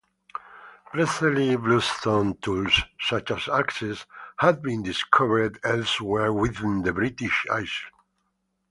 Preseli bluestone tools, such as axes, have been discovered elsewhere within the British Isles.